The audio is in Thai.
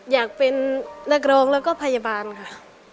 อยากเป็นนักร้องแล้วก็พยาบาลค่ะ